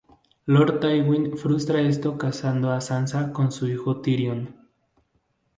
Lord Tywin frustra esto casando a Sansa con su hijo Tyrion.